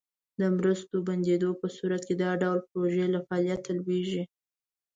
د مرستو بندیدو په صورت کې دا ډول پروژې له فعالیته لویږي.